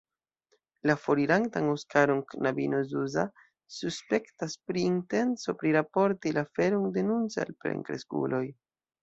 La forirantan Oskaron knabino Zuza suspektas pri intenco priraporti la aferon denunce al plenkreskuloj.